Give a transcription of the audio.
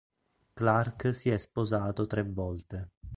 Clark si è sposato tre volte.